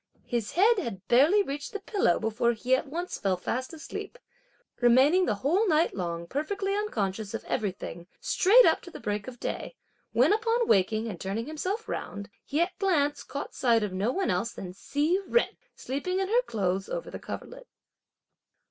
His head had barely reached the pillow before he at once fell fast asleep, remaining the whole night long perfectly unconscious of everything straight up to the break of day, when upon waking and turning himself round, he, at a glance, caught sight of no one else than Hsi Jen, sleeping in her clothes over the coverlet.